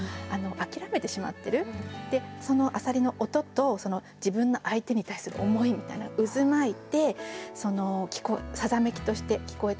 そのあさりの音と自分の相手に対する思いみたいな渦巻いてさざめきとして聞こえてくる。